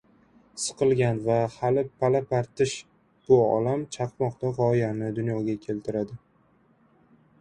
Siqilgan va hali pala-partish bu olam chaqmoqni – gʻoyani dunyoga keltiradi.